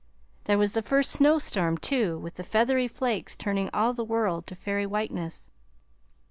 There was the first snowstorm, too, with the feathery flakes turning all the world to fairy whiteness.